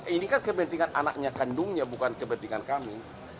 ini kan kepentingan anaknya kandungnya bukan kepentingan kami